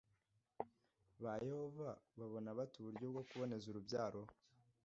ba yehova babona bate uburyo bwo kuboneza urubyaro